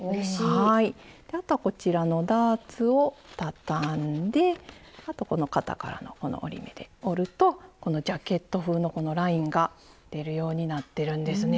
であとはこちらのダーツをたたんであとこの肩からの折り目で折るとこのジャケット風のラインが出るようになってるんですね。